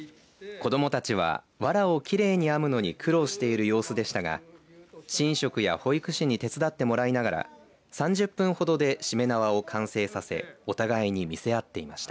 子どもたちは、わらをきれいに編むのに苦労している様子でしたが神職や保育士に手伝ってもらいながら３０分ほどでしめ縄を完成させお互いに見せ合っていました。